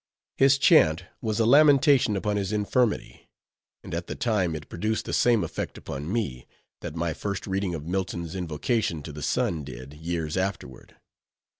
His chant was a lamentation upon his infirmity; and at the time it produced the same effect upon me, that my first reading of Milton's Invocation to the Sun did, years afterward.